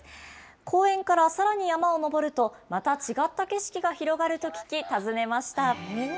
公園からさらに山を登ると、また違った景色が広がると聞き、訪ねました。